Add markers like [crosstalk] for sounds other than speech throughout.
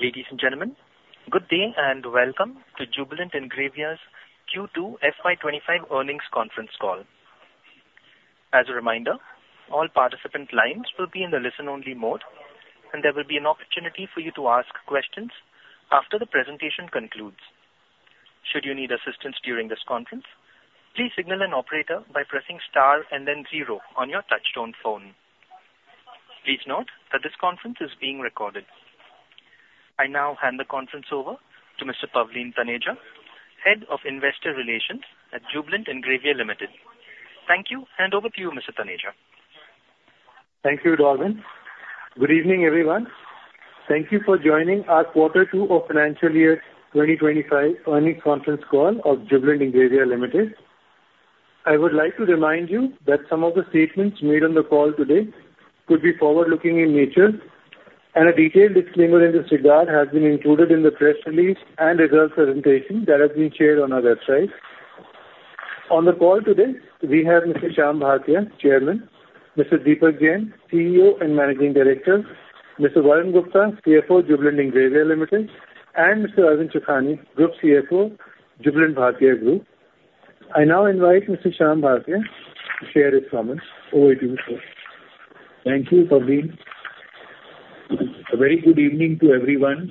Ladies and gentlemen, good day and welcome to Jubilant Ingrevia's Q2 FY 2025 Earnings Conference Call. As a reminder, all participant lines will be in the listen-only mode, and there will be an opportunity for you to ask questions after the presentation concludes. Should you need assistance during this conference, please signal an operator by pressing star and then zero on your touch-tone phone. Please note that this conference is being recorded. I now hand the conference over to Mr. Pavleen Taneja, Head of Investor Relations at Jubilant Ingrevia Limited. Thank you, and over to you, Mr. Taneja. Thank you, Darwin. Good evening, everyone. Thank you for joining our quarter two of Financial Year 2025 earnings conference call of Jubilant Ingrevia Limited. I would like to remind you that some of the statements made on the call today could be forward-looking in nature, and a detailed explainer in this regard has been included in the press release and results presentation that has been shared on our website. On the call today, we have Mr. Shyam Bhartia, Chairman, Mr. Deepak Jain, CEO and Managing Director, Mr. Varun Gupta, CFO, Jubilant Ingrevia Limited, and Mr. Arvind Chokhany, Group CFO, Jubilant Bhartia Group. I now invite Mr. Shyam Bhartia to share his comments. Over to you, sir. Thank you, Pavleen. A very good evening to everyone.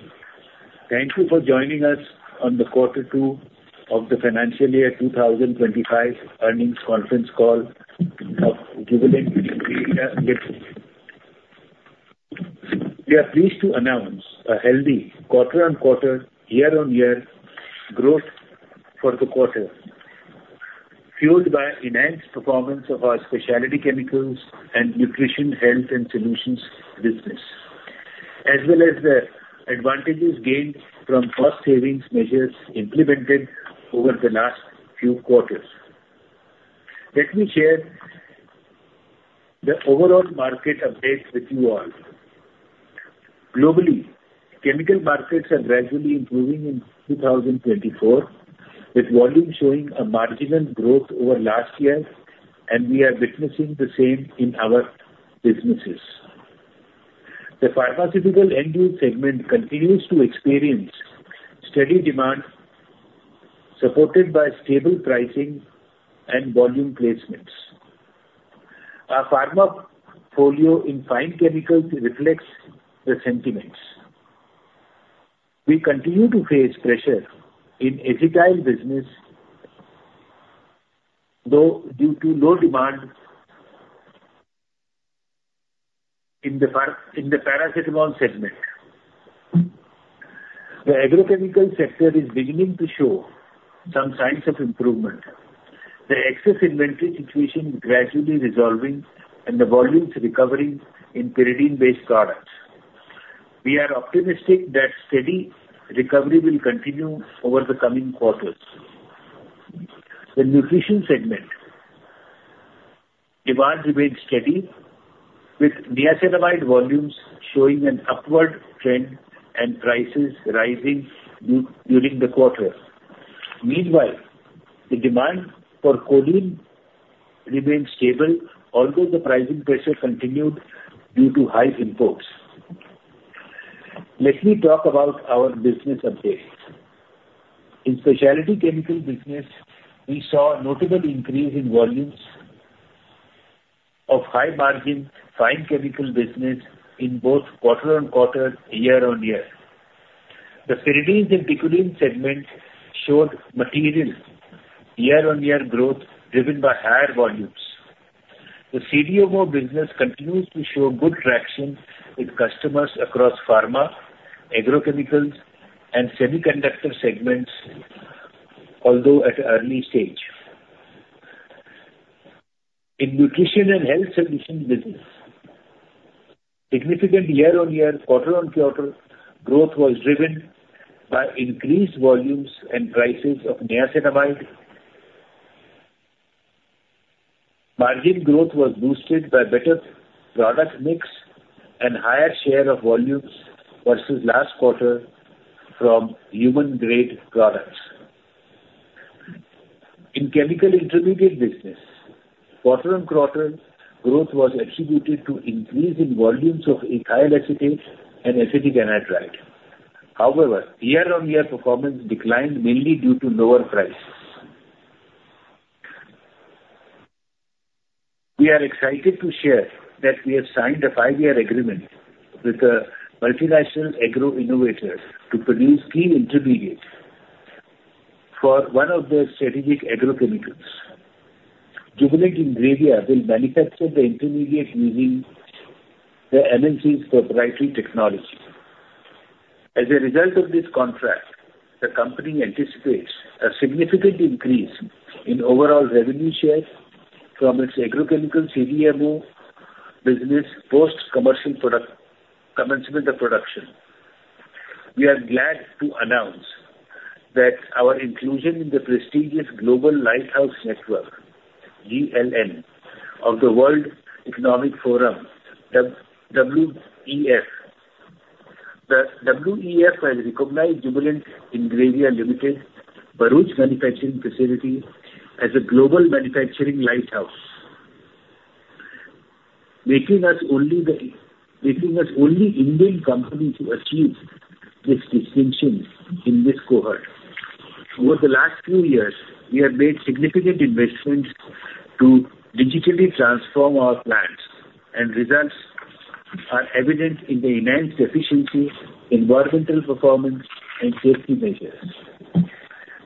Thank you for joining us on the quarter two of the Financial Year 2025 earnings conference call. Jubilant Ingrevia. Yeah, pleased to announce a healthy quarter-on-quarter, year-on-year growth for the quarter, fueled by enhanced performance of our specialty chemicals and nutrition health and solutions business, as well as the advantages gained from cost savings measures implemented over the last few quarters. Let me share the overall market update with you all. Globally, chemical markets are gradually improving in 2024, with volume showing a marginal growth over last year, and we are witnessing the same in our businesses. The pharmaceutical end-use segment continues to experience steady demand, supported by stable pricing and volume placements. Our pharma portfolio in fine chemicals reflects the sentiments. We continue to face pressure in the agricultural business, though due to low demand in the paracetamol segment. The agrochemical sector is beginning to show some signs of improvement. The excess inventory situation is gradually resolving, and the volume is recovering in pyridine-based products. We are optimistic that steady recovery will continue over the coming quarters. The nutrition segment demand remains steady, with niacinamide volumes showing an upward trend and prices rising during the quarter. Meanwhile, the demand for choline remained stable, although the pricing pressure continued due to high imports. Let me talk about our business updates. In specialty chemical business, we saw a notable increase in volumes of high-margin fine chemical business in both quarter-on-quarter, year-on-year. The pyridine and picoline segments showed material year-on-year growth driven by higher volumes. The CDMO business continues to show good traction with customers across pharma, agrochemicals, and semiconductor segments, although at an early stage. In nutrition and health solutions business, significant year-on-year, quarter-on-quarter growth was driven by increased volumes and prices of niacinamide. Margin growth was boosted by better product mix and higher share of volumes versus last quarter from human-grade products. In chemical intermediate business, quarter-on-quarter growth was attributed to an increase in volumes of ethyl acetate and acetic anhydride. However, year-on-year performance declined mainly due to lower prices. We are excited to share that we have signed a five-year agreement with the multinational agro innovators to produce key intermediates for one of their strategic agrochemicals. Jubilant Ingrevia will manufacture the intermediate using the MNC's proprietary technology. As a result of this contract, the company anticipates a significant increase in overall revenue share from its agrochemical CDMO business post-commercial commencement of production. We are glad to announce that our inclusion in the prestigious Global Lighthouse Network, GLN, of the World Economic Forum, WEF. The WEF will recognize Jubilant Ingrevia Limited's Bharuch Manufacturing Facility as a global manufacturing lighthouse, making us only the Indian company to achieve this distinction in this cohort. Over the last few years, we have made significant investments to digitally transform our plants, and results are evident in the enhanced efficiencies, environmental performance, and safety measures.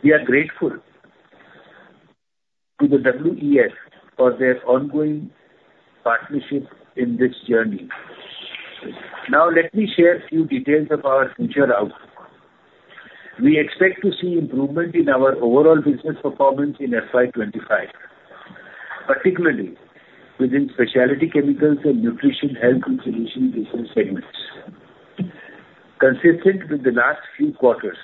We are grateful to the WEF for their ongoing partnership in this journey. Now, let me share a few details of our future outlook. We expect to see improvement in our overall business performance in FY 2025, particularly within specialty chemicals and nutrition health and solution business segments. Consistent with the last few quarters,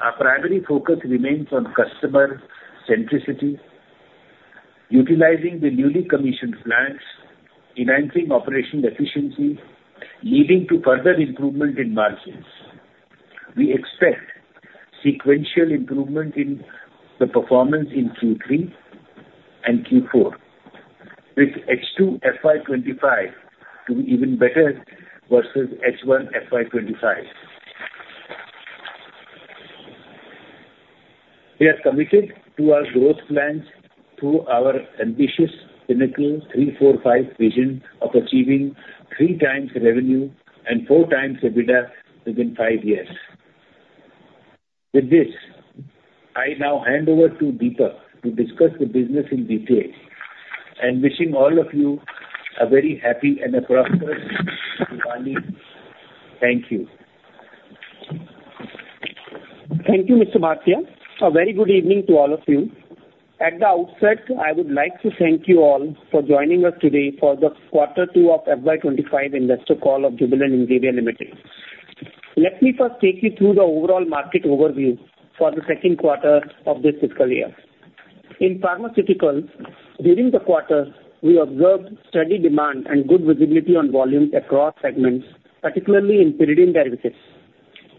our primary focus remains on customer centricity, utilizing the newly commissioned plants, enhancing operational efficiencies, leading to further improvement in margins. We expect sequential improvement in the performance in Q3 and Q4, with H2 FY 2025 to be even better versus H1 FY 2025. We are committed to our growth plans through our ambitious Pinnacle 345 vision of achieving three times revenue and four times EBITDA within five years. With this, I now hand over to Deepak to discuss the business in detail. I'm wishing all of you a very happy and a prosperous company. Thank you. Thank you, Mr. Bhartia. A very good evening to all of you. At the outset, I would like to thank you all for joining us today for the quarter two of FY 2025 Investor Call of Jubilant Ingrevia Limited. Let me first take you through the overall market overview for the second quarter of this fiscal year. In pharmaceuticals, during the quarter, we observed steady demand and good visibility on volume across segments, particularly in pyridine derivatives.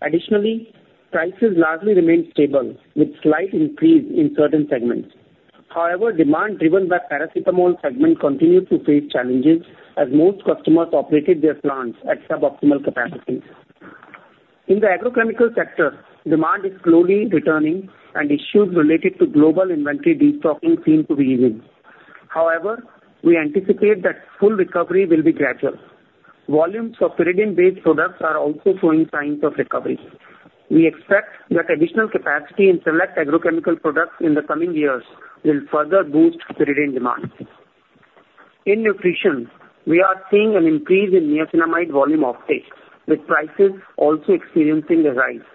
Additionally, prices largely remained stable, with slight increase in certain segments. However, demand driven by paracetamol segment continued to face challenges as most customers operated their plants at suboptimal capacity. In the agrochemical sector, demand is slowly returning, and issues related to global inventory restocking seem to be easing. However, we anticipate that full recovery will be gradual. Volumes of pyridine-based products are also showing signs of recovery. We expect that additional capacity in select agrochemical products in the coming years will further boost pyridine demand. In nutrition, we are seeing an increase in niacinamide volume uptake, with prices also experiencing a rise.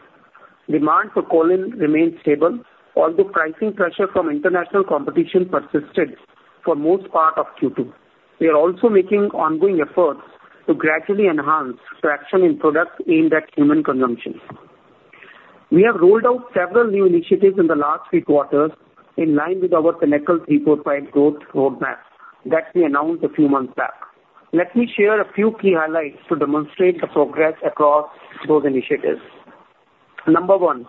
Demand for choline remained stable, although pricing pressure from international competition persisted for most part of Q2. We are also making ongoing efforts to gradually enhance traction in products aimed at human consumption. We have rolled out several new initiatives in the last three quarters in line with our Pinnacle 345 growth roadmap that we announced a few months back. Let me share a few key highlights to demonstrate the progress across those initiatives. Number one,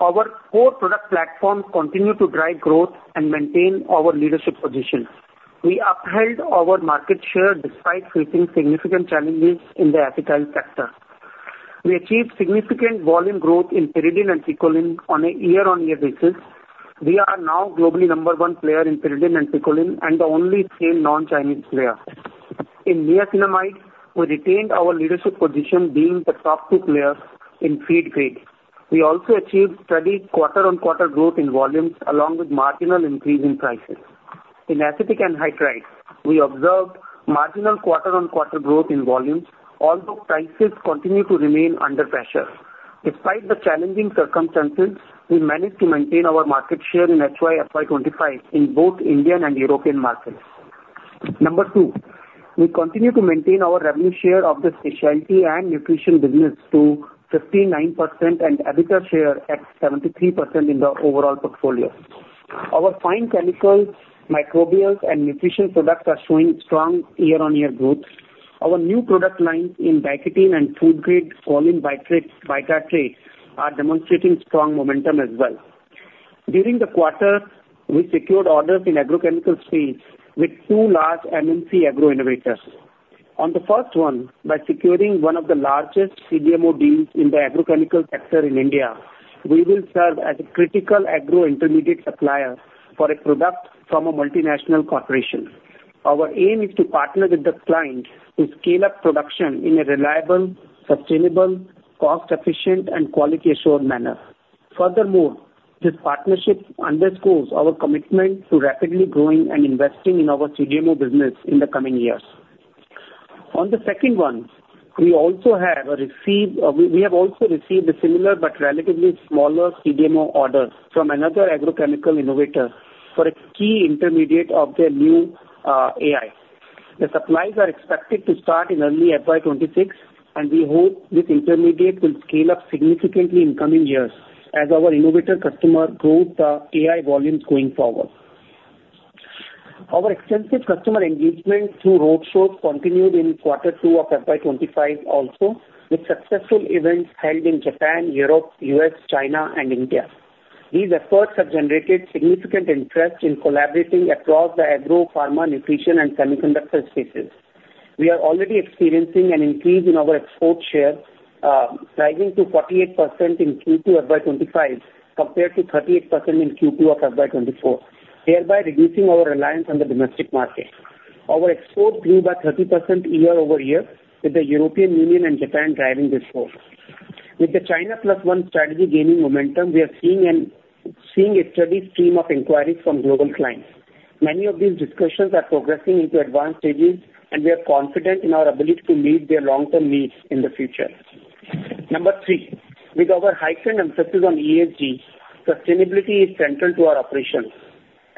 our core product platform continued to drive growth and maintain our leadership position. We upheld our market share despite facing significant challenges in the acetyl sector. We achieved significant volume growth in pyridine and Picoline on a year-on-year basis. We are now globally number one player in pyridine and picoline and the only sole non-Chinese player. In niacinamide, we retained our leadership position, being the top two players in trade. We also achieved steady quarter-on-quarter growth in volumes, along with marginal increase in prices. In acetic anhydride, we observed marginal quarter-on-quarter growth in volumes, although prices continue to remain under pressure. Despite the challenging circumstances, we managed to maintain our market share in HY FY 2025 in both Indian and European markets. Number two, we continue to maintain our revenue share of the specialty and nutrition business to 59% and EBITDA share at 73% in the overall portfolio. Our fine chemicals, microbials, and nutrition products are showing strong year-on-year growth. Our new product line in diketene and food-grade choline bitartrate are demonstrating strong momentum as well. During the quarter, we secured orders in agrochemical space with two large MNC agro innovators. On the first one, by securing one of the largest CDMO deals in the agrochemical sector in India, we will serve as a critical agro intermediate supplier for a product from a multinational corporation. Our aim is to partner with the client to scale up production in a reliable, sustainable, cost-efficient, and quality-assured manner. Furthermore, this partnership underscores our commitment to rapidly growing and investing in our CDMO business in the coming years. On the second one, we have also received a similar but relatively smaller CDMO order from another agrochemical innovator for its key intermediate of their new AI. The supplies are expected to start in early FY26, and we hope this intermediate will scale up significantly in coming years as our innovator customer grows the AI volumes going forward. Our extensive customer engagement through roadshows continued in quarter two of FY 2025 also, with successful events held in Japan, Europe, US, China, and India. These efforts have generated significant interest in collaborating across the agro, pharma, nutrition, and semiconductor spaces. We are already experiencing an increase in our export share, rising to 48% in Q2 FY 2025 compared to 38% in Q2 of FY 2024, thereby reducing our reliance on the domestic market. Our export grew by 30% year-over-year, with the European Union and Japan driving this growth. With the China Plus One strategy gaining momentum, we are seeing a steady stream of inquiries from global clients. Many of these discussions are progressing into advanced stages, and we are confident in our ability to meet their long-term needs in the future. Number three, with our heightened emphasis on ESG, sustainability is central to our operations.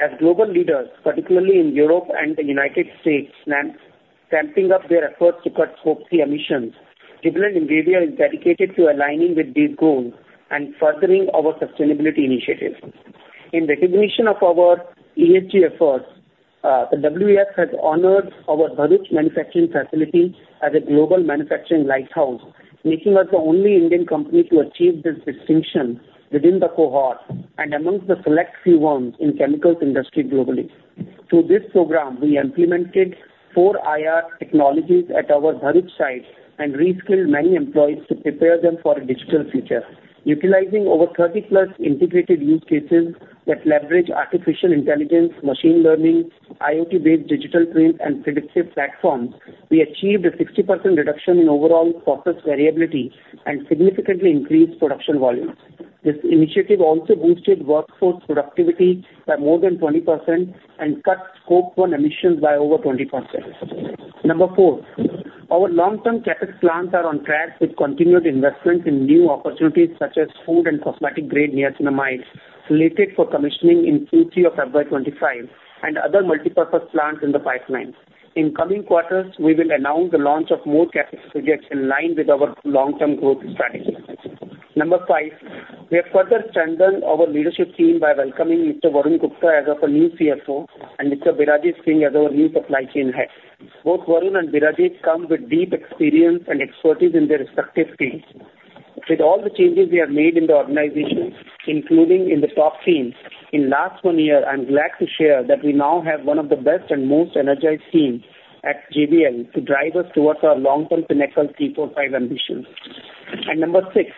As global leaders, particularly in Europe and the United States, step up their efforts to cut CO2 emissions, Jubilant Ingrevia is dedicated to aligning with these goals and furthering our sustainability initiatives. In recognition of our ESG efforts, the WEF has honored our Bharuch Manufacturing Facility as a global manufacturing lighthouse, making us the only Indian company to achieve this distinction within the cohort and amongst the select few ones in the chemicals industry globally. Through this program, we implemented 4IR technologies at our Bharuch site and reskilled many employees to prepare them for a digital future. Utilizing over 30-plus integrated use cases that leverage artificial intelligence, machine learning, IoT-based digital twins, and predictive platforms, we achieved a 60% reduction in overall process variability and significantly increased production volumes. This initiative also boosted workforce productivity by more than 20% and cut Scope 1 emissions by over 20%. Number four, our long-term capital plans are on track with continued investments in new opportunities such as food and cosmetic-grade niacinamide slated for commissioning in Q3 of FY 2025 and other multipurpose plants in the pipeline. In coming quarters, we will announce the launch of more capex in line with our long-term growth strategy. Number five, we have further strengthened our leadership team by welcoming Mr. Varun Gupta as our new CFO and Mr. Barinder Singh as our new supply chain head. Both Varun and Barinder come with deep experience and expertise in their respective teams. With all the changes we have made in the organization, including in the top team in the last one year, I'm glad to share that we now have one of the best and most energized teams at JVL to drive us towards our long-term Pinnacle 345 ambitions. And number six,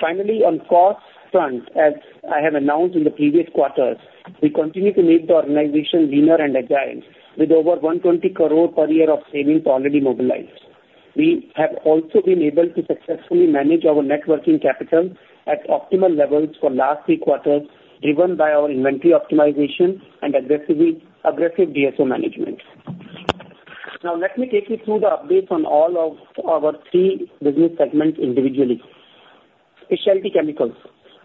finally, on cost front, as I have announced in the previous quarter, we continue to make the organization leaner and agile with over 120 crore per year of savings already mobilized. We have also been able to successfully manage our working capital at optimal levels for last three quarters, driven by our inventory optimization and aggressive DSO management. Now, let me take you through the updates on all of our three business segments individually. Specialty chemicals.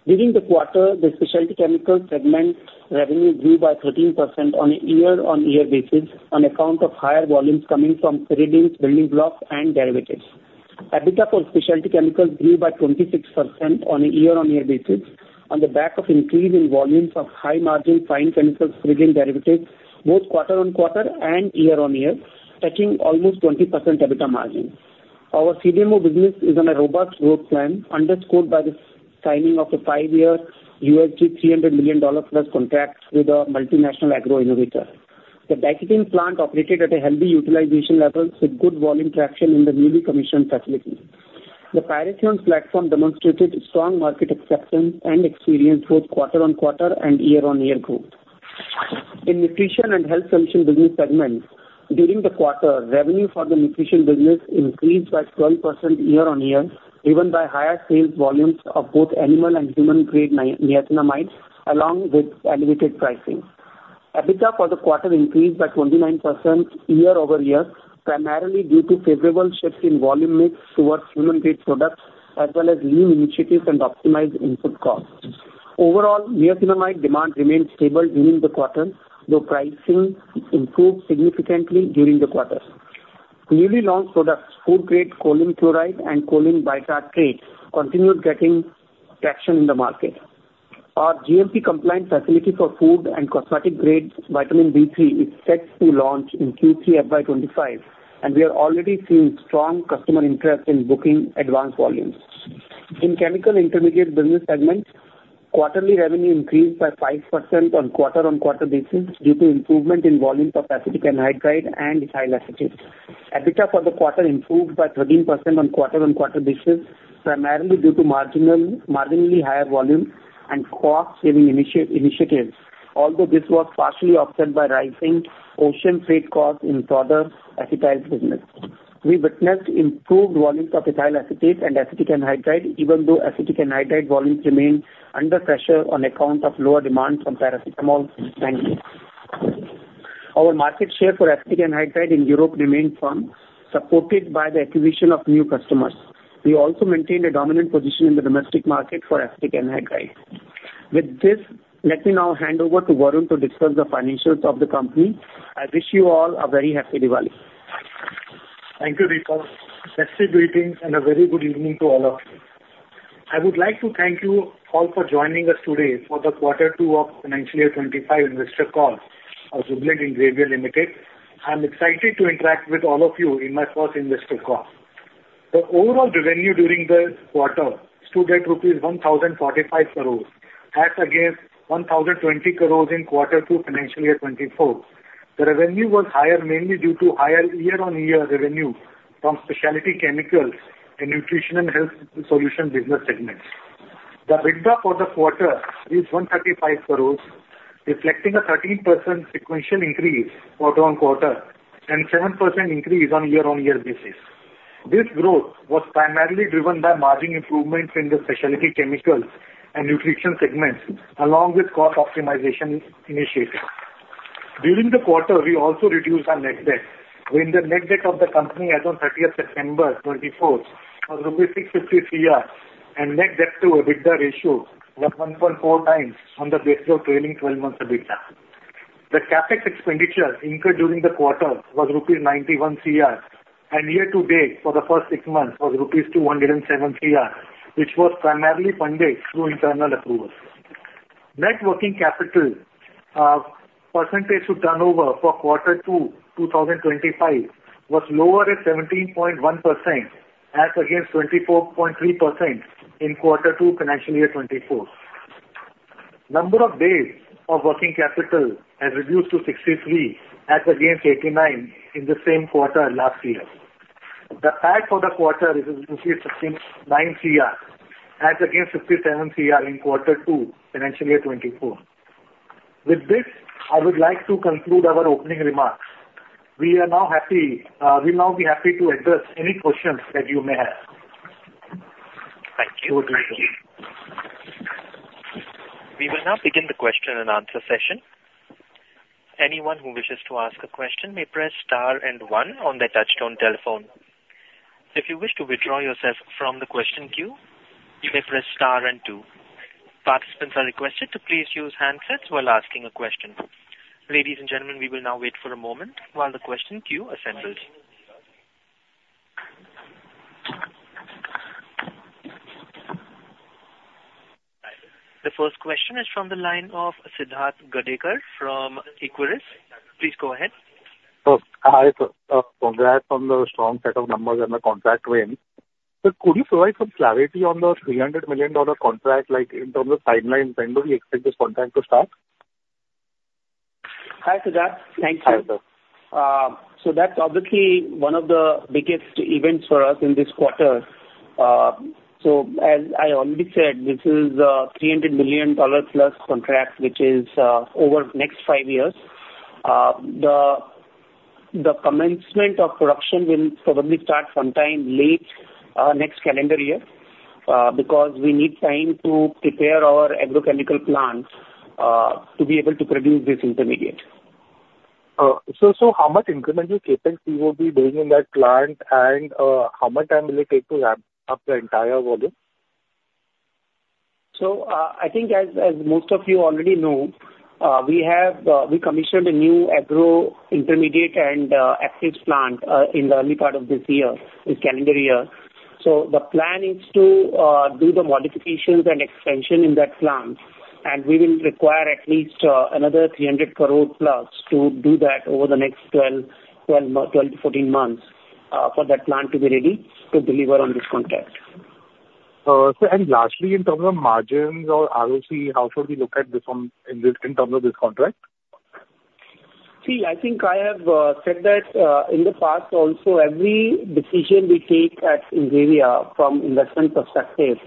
During the quarter, the specialty chemicals segment revenue grew by 13% on a year-on-year basis on account of higher volumes coming from pyridine, picolines, and derivatives. EBITDA for specialty chemicals grew by 26% on a year-on-year basis on the back of increasing volumes of high-margin fine chemicals pyridine derivatives, both quarter-on-quarter and year-on-year, touching almost 20% EBITDA margin. Our CDMO business is on a robust growth plan, underscored by the signing of a five-year USD $300 million plus contract with a multinational agro innovator. The diketene plant operated at a healthy utilization level with good volume traction in the newly commissioned facility. The pyridines platform demonstrated strong market acceptance and experienced both quarter-on-quarter and year-on-year growth. In nutrition and health solution business segment, during the quarter, revenue for the nutrition business increased by 12% year-on-year, driven by higher sales volumes of both animal and human-grade niacinamides, along with elevated pricing. EBITDA for the quarter increased by 29% year-over-year, primarily due to favorable shifts in volume mix towards human-grade products, as well as new initiatives and optimized input costs. Overall, niacinamide demand remained stable during the quarter, though pricing improved significantly during the quarter. Clearly, long products, food-grade choline Chloride and choline bitartrate, continued getting traction in the market. Our GMP-compliant facility for food and cosmetic-grade vitamin B3 is set to launch in Q3 FY 2025, and we are already seeing strong customer interest in booking advanced volume. In chemical intermediate business segments, quarterly revenue increased by 5% on quarter-on-quarter basis due to improvement in volume of acetic anhydride and ethyl acetate. EBITDA for the quarter improved by 13% on quarter-on-quarter basis, primarily due to marginally higher volume and cost-saving initiatives, although this was partially offset by rising ocean freight costs in our acetyls business. We witnessed improved volumes of ethyl acetate and acetic anhydride, even though acetic anhydride volumes remained under pressure on account of lower demand from paracetamol segment. Our market share for acetic anhydride in Europe remained firm, supported by the acquisition of new customers. We also maintained a dominant position in the domestic market for acetic anhydride. With this, let me now hand over to Varun to discuss the financials of the company. I wish you all a very happy Diwali. Thank you, Deepak. Best wishes, greetings, and a very good evening to all of you. I would like to thank you all for joining us today for the quarter two of Financial Year 25 Investor Call of Jubilant Ingrevia Limited. I'm excited to interact with all of you in my first investor call. The overall revenue during the quarter stood at rupees 1,045 crore, as against 1,020 crore in quarter two Financial Year 2024. The revenue was higher mainly due to higher year-on-year revenue from specialty chemicals and nutrition and health solution business segments. The EBITDA for the quarter is 135 crore, reflecting a 13% sequential increase for the quarter and a 7% increase on a year-on-year basis. This growth was primarily driven by margin improvements in the specialty chemicals and nutrition segments, along with cost optimization initiatives. During the quarter, we also reduced our net debt. The net debt of the company as of 30th September 2024 was INR 650 CR and net debt to EBITDA ratio was 1.4 times on the basis of trailing 12 months EBITDA. The CapEx expenditure incurred during the quarter was rupees 91 CR, and year-to-date for the first six months was rupees 207 CR, which was primarily funded through internal accruals. Net working capital percentage to turnover for quarter two 2025 was lower at 17.1% as against 24.3% in quarter two Financial Year 2024. Number of days of working capital has reduced to 63 as against 89 in the same quarter last year. The PAT for the quarter is essentially 169 CR as against 57 CR in quarter two Financial Year 2024. With this, I would like to conclude our opening remarks. We are now happy to address any questions that you may have. Thank you. We will now begin the question and answer session. Anyone who wishes to ask a question may press star and one on their touch-tone telephone. If you wish to withdraw yourself from the question queue, you may press star and two. Participants are requested to please use handsets while asking a question. Ladies and gentlemen, we will now wait for a moment while the question queue assembles. The first question is from the line of Sidharth Gadekar from Equirus. Please go ahead. Hi, Sir. Congrats on the strong set of numbers and the contract win. But could you provide some clarity on the $300 million contract, like in terms of timeline, when do we expect this contract to start? Hi, Sidharth. Thank you. Hi, Sir. So that's obviously one of the biggest events for us in this quarter. So as I already said, this is a $300 million plus contract, which is over the next five years. The commencement of production will probably start sometime late next calendar year because we need time to prepare our agrochemical plant to be able to produce this intermediate. So how much incremental CapEx will be being in that plant and how much time will it take to wrap up the entire volume? So I think as most of you already know, we commissioned a new agro intermediate and active plant in the early part of this year, this calendar year. So the plan is to do the modifications and expansion in that plant, and we will require at least another 300 crore plus to do that over the next 12 months-14 months for that plant to be ready to deliver on this contract. Sir, and lastly, in terms of margins or ROC, how should we look at this in terms of this contract? See, I think I have said that in the past, also every decision we take at Ingrevia from investment perspective,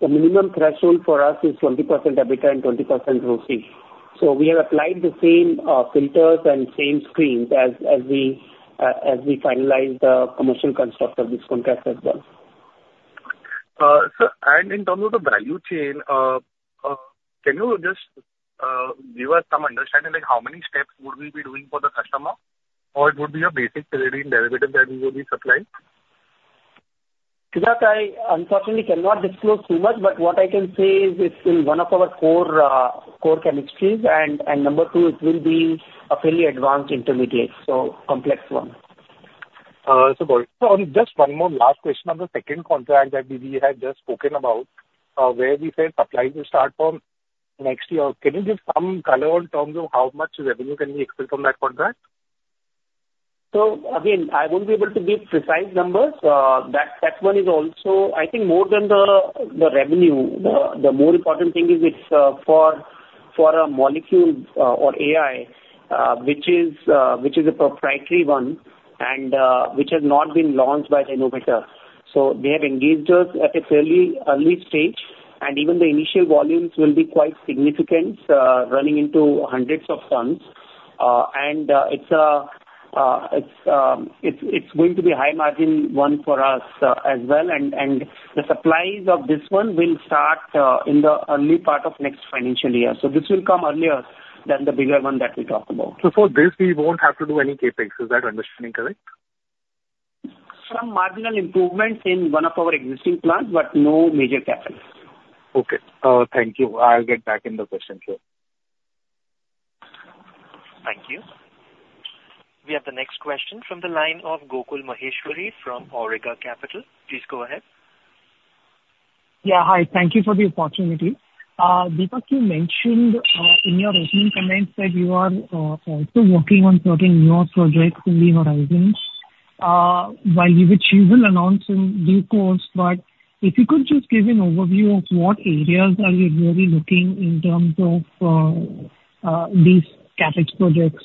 the minimum threshold for us is 20% EBITDA and 20% ROCE. So we have applied the same filters and same screens as we finalize the commercial construct of this contract as well. Sir, and in terms of the value chain, can you just give us some understanding like how many steps would we be doing for the customer or would be a basic pyridine derivative that you will be supplying? Sidharth, I unfortunately cannot disclose too much, but what I can say is it's still one of our core chemistries, and number two, it will be a fairly advanced intermediate, so complex one. Super. So just one more last question on the second contract that we have just spoken about, where we said supply will start from next year. Can you give some color on terms of how much revenue can we expect from that contract? Again, I won't be able to give precise numbers. That one is also, I think, more than the revenue. The more important thing is it's for a molecule or API, which is a proprietary one and which has not been launched by the innovator. They have engaged us at a fairly early stage, and even the initial volumes will be quite significant, running into hundreds of tons. And it's going to be a high-margin one for us as well, and the supplies of this one will start in the early part of next financial year. This will come earlier than the bigger one that we talk about. So for this, we won't have to do any CapEx. Is that understanding correct? Some marginal improvements in one of our existing plants, but no major CapEx. Okay. Thank you. I'll get back in the question here. Thank you. We have the next question from the line of Gokul Maheshwari from Awriga Capital. Please go ahead. Yeah, hi. Thank you for the opportunity. Deepak, you mentioned in your opening comments that you are also working on certain newer projects on the horizon. While we await an announcement in due course, but if you could just give an overview of what areas are you really looking in terms of these CapEx projects?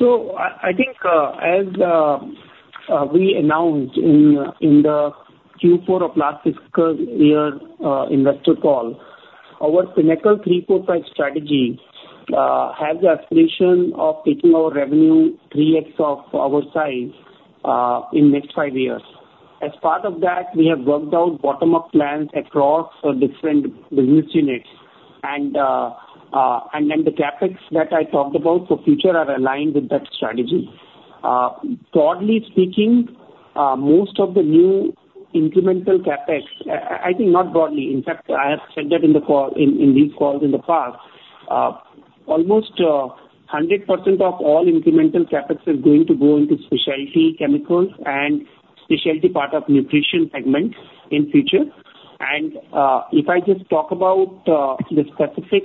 I think as we announced in the Q4 of last fiscal year investor call, our Pinnacle 345 strategy has the aspiration of taking our revenue 3x of our size in the next five years. As part of that, we have worked out bottom-up plans across different business units, and then the CapEx that I talked about for future are aligned with that strategy. Broadly speaking, most of the new incremental CapEx, I think not broadly, in fact, I have said that in these calls in the past, almost 100% of all incremental CapEx is going to go into specialty chemicals and specialty part of nutrition segment in future. And if I just talk about the specific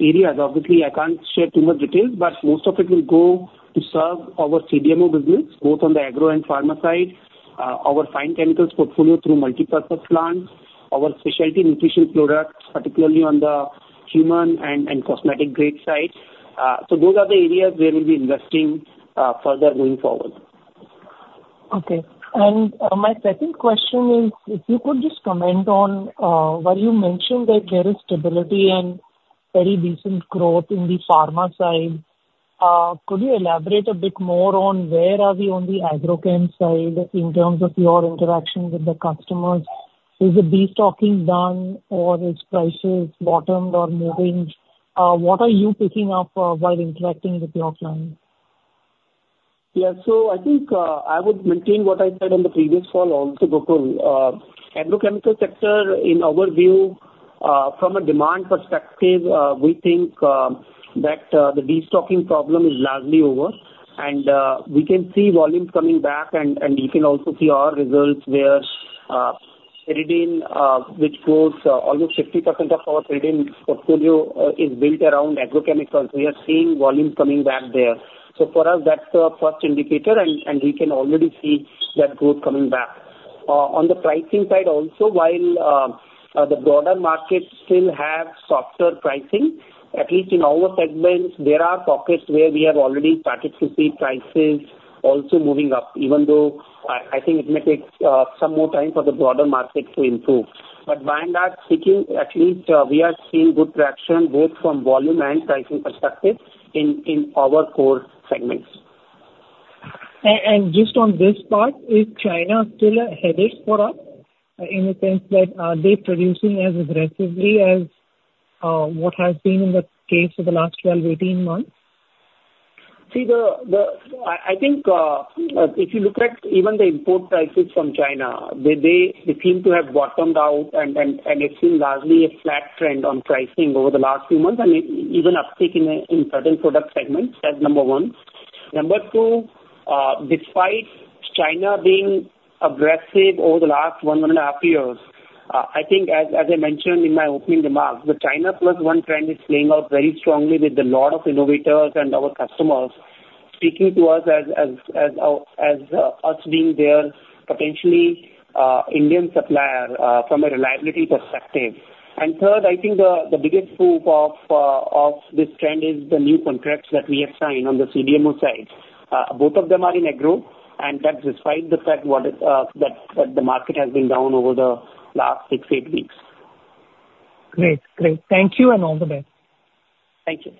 areas, obviously, I can't share too much detail, but most of it will go to serve our CDMO business, both on the agro and pharma side, our fine chemicals portfolio through multipurpose plants, our specialty nutrition products, particularly on the human and cosmetic-grade side. So those are the areas where we'll be investing further going forward. Okay. And my second question is, if you could just comment on what you mentioned that there is stability and very decent growth in the pharma side, could you elaborate a bit more on where are we on the agro chem side in terms of your interaction with the customers? Is the bleeding done, or is prices bottomed or moving? What are you picking up while interacting with your clients? Yeah, so I think I would maintain what I said on the previous call. Typically, agrochemical sector, in our view, from a demand perspective, we think that the destocking problem is largely over, and we can see volumes coming back, and you can also see our results where pyridine, which grows almost 50% of our pyridine portfolio, is built around agrochemicals. We are seeing volume coming back there. So for us, that's the first indicator, and we can already see that growth coming back. On the pricing side also, while the broader market still has softer pricing, at least in our segment, there are pockets where we have already started to see prices also moving up, even though I think it may take some more time for the broader market to improve. But by and large, at least we are seeing good traction both from volume and pricing perspective in our core segments. Just on this part, is China still a headache for us in the sense that are they producing as aggressively as what has been in the case of the last 12 months, 18 months? See, I think if you look at even the import prices from China, they seem to have bottomed out, and it's seen largely a flat trend on pricing over the last few months and even uptick in certain product segments. That's number one. Number two, despite China being aggressive over the last one and a half years, I think, as I mentioned in my opening remarks, the China Plus One trend is playing out very strongly with a lot of innovators and our customers speaking to us as us being their potentially Indian supplier from a reliability perspective. And third, I think the biggest proof of this trend is the new contracts that we have signed on the CDMO side. Both of them are in agro, and that's despite the fact that the market has been down over the last six, eight weeks. Great. Great. Thank you and all the best. Thank you.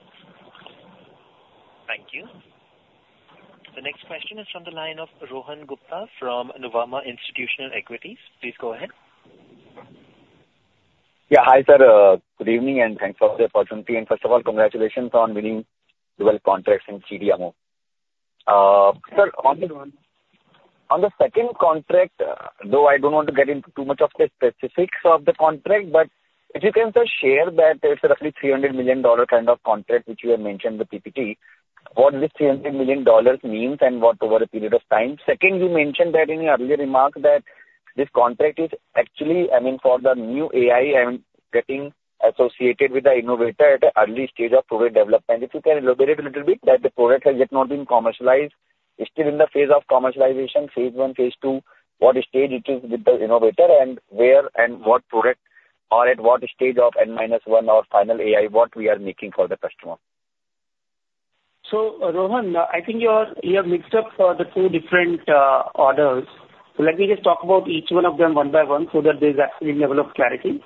Thank you. The next question is from the line of Rohan Gupta from Nuvama Institutional Equities. Please go ahead. Yeah, hi, sir. Good evening and thanks for the opportunity. And first of all, congratulations on winning 12 contracts in CDMO. Thank you, Rohan. On the second contract, though I don't want to get into too much of the specifics of the contract, but if you can share that it's roughly $300 million kind of contract, which you have mentioned in the PPT. What this $300 million means and what over a period of time. Second, we mentioned that in the earlier remark that this contract is actually, I mean, for the new API. I'm getting associated with an innovator at an early stage of product development. If you can elaborate a little bit that the product has yet not been commercialized, it's still in the phase of commercialization, phase one, phase two, what stage it is with the innovator, and where and what product or at what stage of N-1 or final API, what we are making for the customer. Rohan, I think you have mixed up the two different orders. Let me just talk about each one of them one by one so that there's actually level of clarity.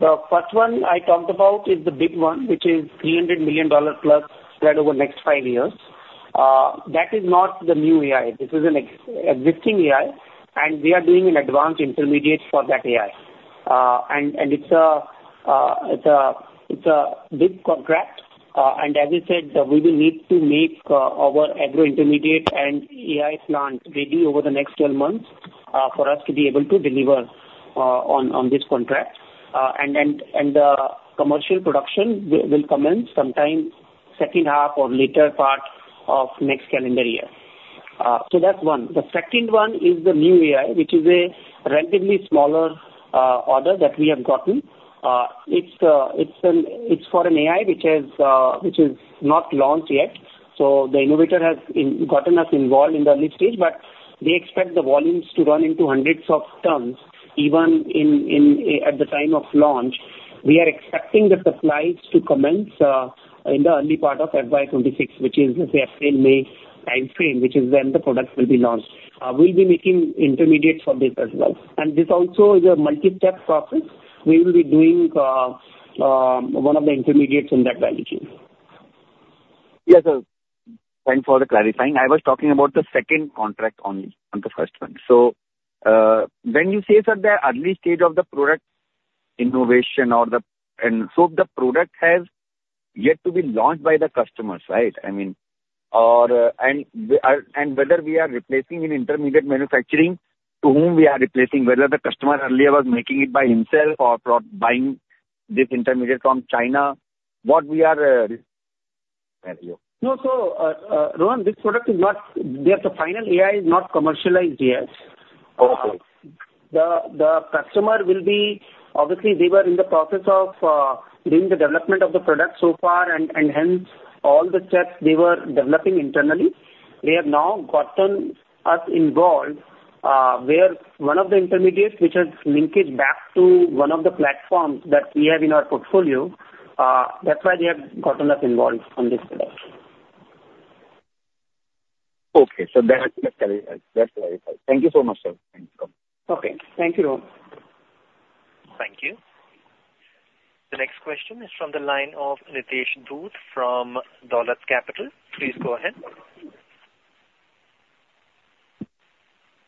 The first one I talked about is the big one, which is $300 million plus spread over next five years. That is not the new API. This is an existing API, and we are doing an advanced intermediate for that API. And it's a big contract. And as I said, we will need to make our agro intermediate and API plant ready over the next 12 months for us to be able to deliver on this contract. And the commercial production will commence sometime second half or later part of next calendar year. That's one. The second one is the new API, which is a relatively smaller order that we have gotten. It's for an AI which is not launched yet. So the innovator has gotten us involved in the early stage, but they expect the volumes to run into hundreds of tons. Even at the time of launch, we are expecting the supplies to commence in the early part of FY26, which is the April-May timeframe, which is when the product will be launched. We'll be making intermediates for this as well. And this also is a multi-step process. We will be doing one of the intermediates in that value chain. Yes, sir. Thanks for the clarification. I was talking about the second contract only, not the first one. So when you say, sir, the early stage of the product innovation, and so the product has yet to be launched by the customers, right? I mean, and whether we are replacing in intermediate manufacturing, to whom we are replacing, whether the customer earlier was making it by himself or buying this intermediate from China, what we are [crosstalk] No, so Rohan, this product is not, the final API is not commercialized yet. The customer will be obviously, they were in the process of doing the development of the product so far, and hence all the steps they were developing internally. They have now gotten us involved where one of the intermediates, which has linkage back to one of the platforms that we have in our portfolio, that's why they have gotten us involved on this product. Okay. So that clarifies. Thank you so much, sir. Okay. Thank you, Rohan. Thank you. The next question is from the line of Nitesh Dhoot from Dolat Capital. Please go ahead.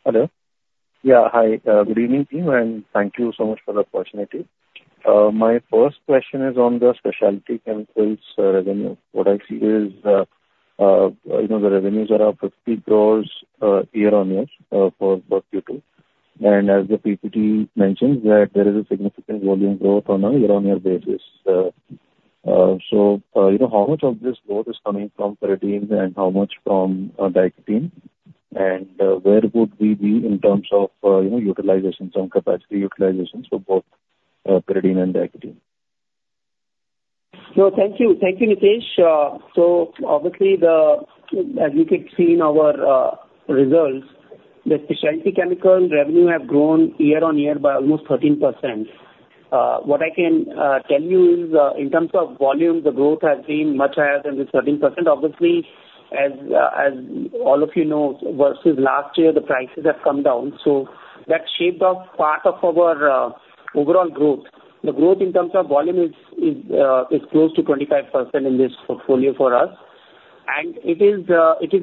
Hello. Yeah, hi. Good evening to you, and thank you so much for the opportunity. My first question is on the specialty chemicals revenue. What I see is the revenues are up 50 crores year-on-year for both Q2, and as the PPT mentioned, there is a significant volume growth on a year-on-year basis. How much of this growth is coming from pyridine and how much from diketene? And where would we be in terms of utilization, some capacity utilization for both pyridine and diketene? No, thank you. Thank you, Nitesh. So obviously, as you can see in our results, the specialty chemical revenue has grown year-on-year by almost 13%. What I can tell you is in terms of volume, the growth has been much higher than this 13%. Obviously, as all of you know, versus last year, the prices have come down. So that shaped up part of our overall growth. The growth in terms of volume is close to 25% in this portfolio for us. And it is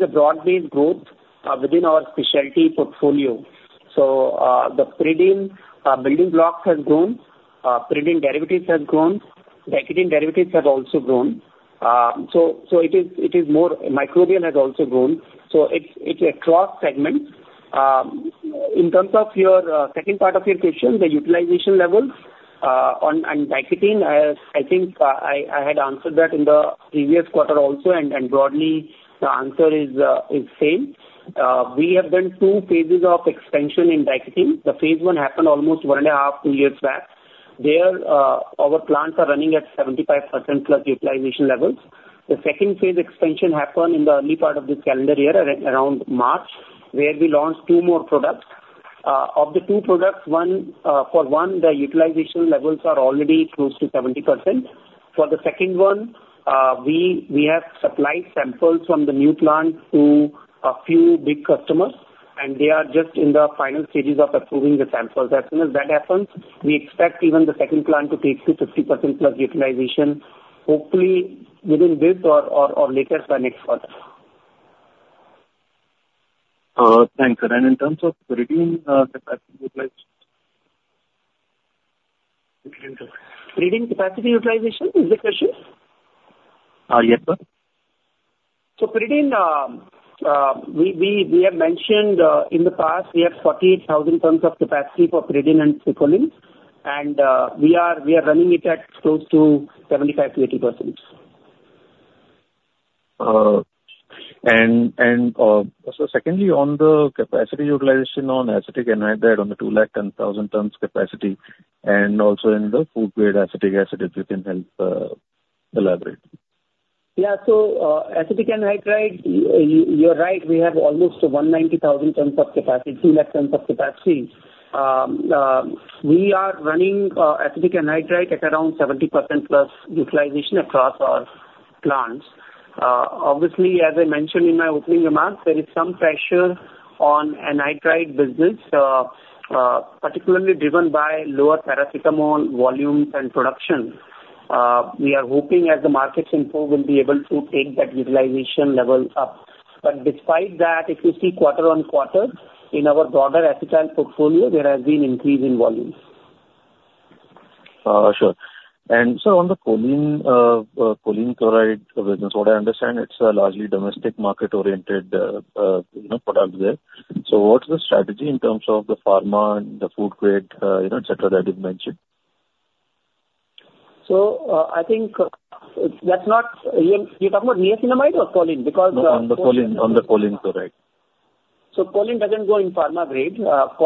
a broad-based growth within our specialty portfolio. So the pyridine building blocks have grown. pyridine derivatives have grown. diketene derivatives have also grown. So acetic anhydride has also grown. So it's across segments. In terms of your second part of your question, the utilization level on diketene, I think I had answered that in the previous quarter also, and broadly, the answer is same. We have done two phases of expansion in diketene. The phase one happened almost one and a half, two years back. There, our plants are running at 75%+ utilization levels. The second phase expansion happened in the early part of this calendar year, around March, where we launched two more products. Of the two products, for one, the utilization levels are already close to 70%. For the second one, we have supplied samples from the new plant to a few big customers, and they are just in the final stages of approving the samples. As soon as that happens, we expect even the second plant to take to 50% plus utilization, hopefully within this or later by next quarter. Thanks. And in terms of pyridine, capacity utilization? pyridine capacity utilization, is this your issue? Yes, sir. pyridine, we have mentioned in the past, we have 48,000 tons of capacity for pyridine and tri-choline, and we are running it at close to 75%-80%. Secondly, on the capacity utilization on acetic anhydride on the 210,000 tons capacity, and also in the food-grade acetic acid, if you can help elaborate? Yeah, so acetic anhydride, you're right, we have almost 190,000 tons of capacity, 2 lakh tons of capacity. We are running acetic anhydride at around 70% plus utilization across our plants. Obviously, as I mentioned in my opening remarks, there is some pressure on anhydride business, particularly driven by lower paracetamol volume and production. We are hoping as the markets improve, we'll be able to take that utilization level up. But despite that, if you see quarter on quarter, in our broader acetyl portfolio, there has been an increase in volumes. Sure. And so on the choline chloride business, what I understand, it's a largely domestic market-oriented product there. So what's the strategy in terms of the pharma, the food grade, etc., that you've mentioned? So I think that's not you're talking about niacinamide or choline? Because. No, on the choline Chloride. So choline doesn't go in pharma grade. We have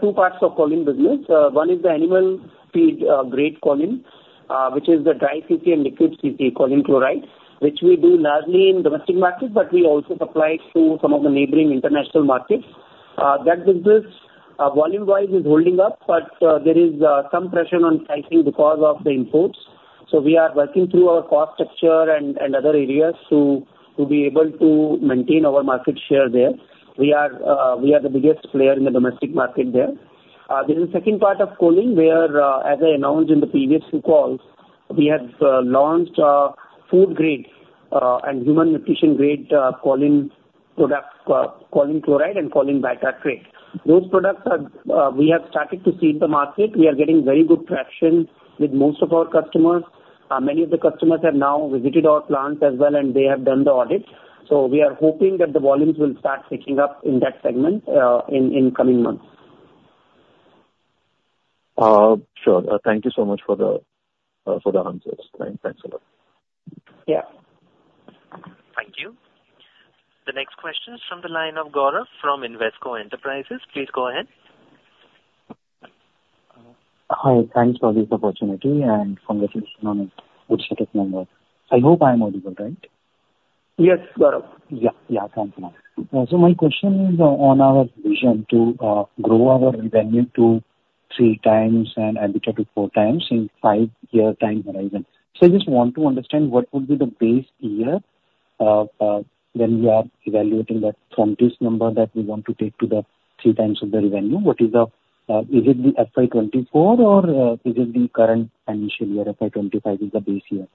two parts of choline business. One is the animal feed-grade choline, which is the dry CC and liquid CC choline chloride, which we do largely in the domestic market, but we also supply to some of the neighboring international markets. That business, volume-wise, is holding up, but there is some pressure on pricing because of the imports. So we are working through our cost structure and other areas to be able to maintain our market share there. We are the biggest player in the domestic market there. There is a second part of choline where, as I announced in the previous two calls, we have launched food-grade and human nutrition-grade choline products, choline chloride and choline bitartrate. Those products we have started to see in the market. We are getting very good traction with most of our customers. Many of the customers have now visited our plants as well, and they have done the audit. So we are hoping that the volumes will start picking up in that segment in coming months. Sure. Thank you so much for the answers. Thanks a lot. Yeah. Thank you. The next question is from the line of Gaurav from Invesco Enterprises. Please go ahead. Hi. Thanks for this opportunity and conversation on the Q3 earnings call. I hope I'm audible, right? Yes, Gaurav. Yeah. Yeah, I can't see now. So my question is on our vision to grow our revenue to three times and add it up to four times in five-year time horizon. So I just want to understand what would be the base year when you are evaluating that from this number that we want to take to the three times of the revenue. What is it the FY 2024, or is it the current initial year FY 2025 is the base year?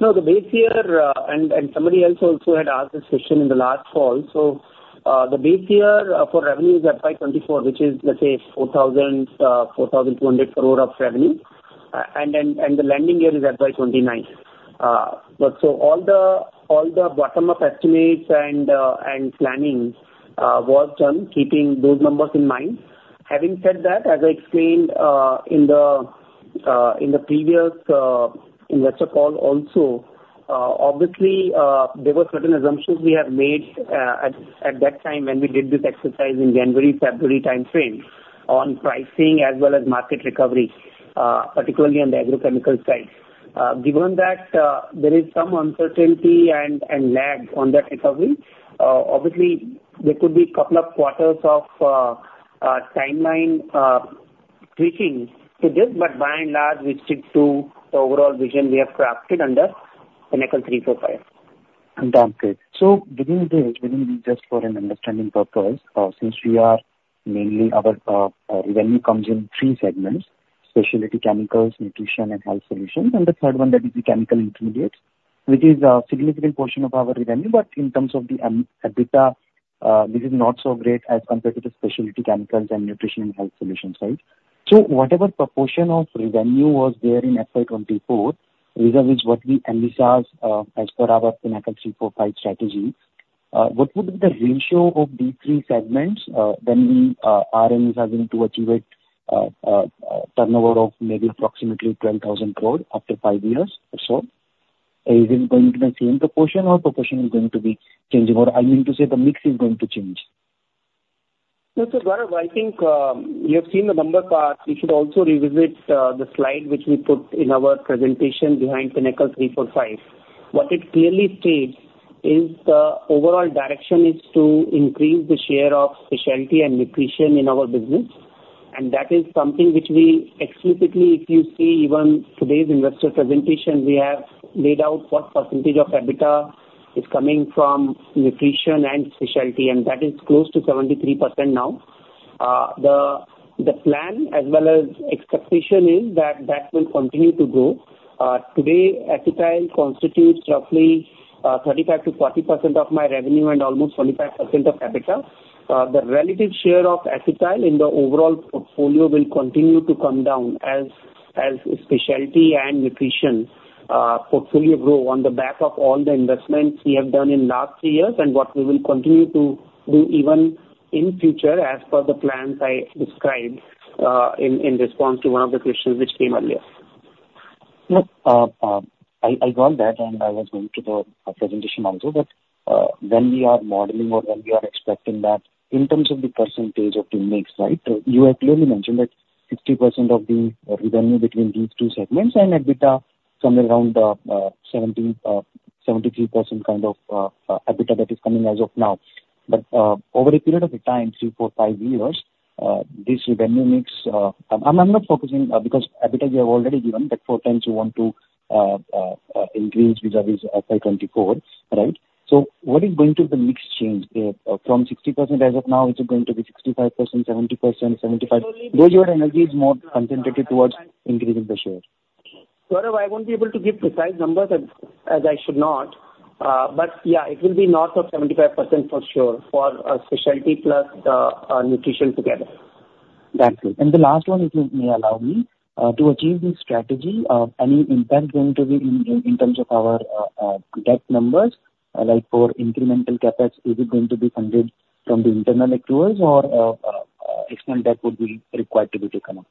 No, the base year, and somebody else also had asked this question in the last call. So the base year for revenue is FY 2024, which is, let's say, 4,200 crore of revenue. And the landing year is FY29. So all the bottom-up estimates and planning was done, keeping those numbers in mind. Having said that, as I explained in the previous investor call also, obviously, there were certain assumptions we had made at that time when we did this exercise in January, February timeframe on pricing as well as market recovery, particularly on the agrochemical side. Given that there is some uncertainty and lag on that recovery, obviously, there could be a couple of quarters of timeline tweaking to this, but by and large, we stick to the overall vision we have crafted under Pinnacle 345. I'm done. So within this, just for an understanding purpose, since we are mainly our revenue comes in three segments: specialty chemicals, nutrition, and health solutions. And the third one that is the chemical intermediates, which is a significant portion of our revenue. But in terms of the EBITDA, this is not so great as compared to the specialty chemicals and nutrition and health solution side. So whatever proportion of revenue was there in FY 2024, vis-à-vis what we envisaged as per our Pinnacle 345 strategy, what would be the ratio of these three segments when we are going to achieve a turnover of maybe approximately 12,000 crore after five years or so? Is it going to be the same proportion, or proportion is going to be changing? Or I mean to say the mix is going to change. No, so Gaurav, I think you have seen the number part. You should also revisit the slide which we put in our presentation behind Pinnacle 345. What it clearly states is the overall direction is to increase the share of specialty and nutrition in our business. That is something which we explicitly, if you see even today's investor presentation, we have laid out what percentage of EBITDA is coming from nutrition and specialty. That is close to 73% now. The plan, as well as expectation, is that that will continue to grow. Today, acetyl constitutes roughly 35%-40% of my revenue and almost 25% of EBITDA. The relative share of acetyl in the overall portfolio will continue to come down as specialty and nutrition portfolio grow on the back of all the investments we have done in the last three years and what we will continue to do even in future as per the plans I described in response to one of the questions which came earlier. Yeah. I got that, and I was going to the presentation also. But when we are modeling or when we are expecting that, in terms of the percentage of index, right, you have clearly mentioned that 50% of the revenue between these two segments and EBITDA somewhere around 73% kind of EBITDA that is coming as of now. But over a period of time, three, four, five years, this revenue mix I'm not focusing because EBITDA you have already given that four times you want to increase vis-à-vis FY 2024, right? So what is going to be the mix change from 60% as of now? Is it going to be 65%, 70%, 75%? Those your energy is more concentrated towards increasing the share. Gaurav, I won't be able to give precise numbers as I should not. But yeah, it will be north of 75% for sure for specialty plus nutrition together. Thank you, and the last one, if you may allow me, to achieve this strategy, any impact going to be in terms of our debt numbers? Like for incremental CapEx, is it going to be funded from the internal accruals, or external debt would be required to be taken out?